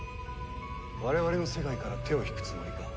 我々の世界から手を引くつもりか？